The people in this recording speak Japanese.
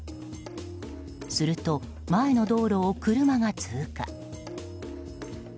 すると、前の道路を車が通過。